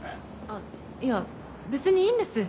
あっいやべつにいいんです。